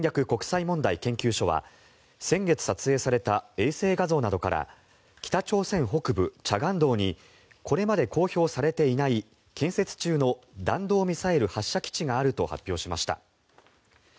国際問題研究所は先月撮影された衛星画像などから北朝鮮北部慈江道にこれまで公表されていない建設中の弾道ミサイル発射基地があると発表しました。